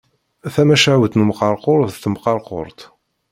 Tamacahut n umqerqur d temqerqurt.